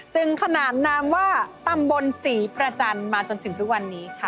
ขนานนามว่าตำบลศรีประจันทร์มาจนถึงทุกวันนี้ค่ะ